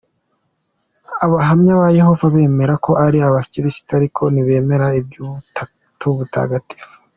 Abahamya ba Yehova bemera ko ari abakristu ariko ntibemera iby’ubutatu butagatifu .